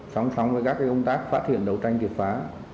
song song với các công tác phát hiện đấu tranh triệt phá